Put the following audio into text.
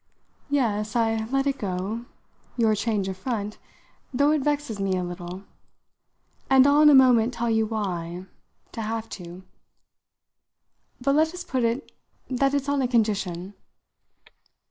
"Yes, I let it go, your change of front, though it vexes me a little and I'll in a moment tell you why to have to. But let us put it that it's on a condition."